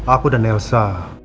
aku dan elsa